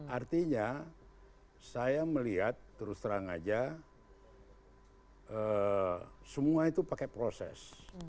artinya saya melihat terus terang aja semua itu pakai proses